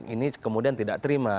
ini kemudian tidak terima